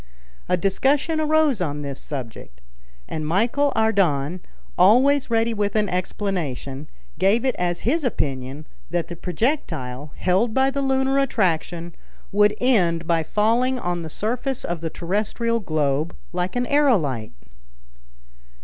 A discussion arose on this subject, and Michel Ardan, always ready with an explanation, gave it as his opinion that the projectile, held by the lunar attraction, would end by falling on the surface of the terrestrial globe like an aerolite.